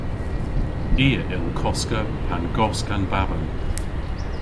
I a yll koska pan gosk an baban.